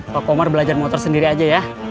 pak komar belajar motor sendiri aja ya